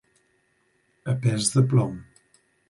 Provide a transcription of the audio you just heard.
A pes de plom.